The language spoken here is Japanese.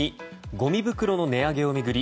ごみ袋の値上げを巡り